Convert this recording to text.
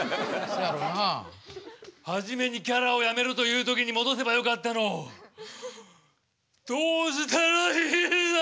初めにキャラをやめろという時に戻せばよかったのをどうしたらいいんだ！